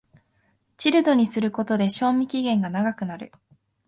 チルドにすることで賞味期限が長くなる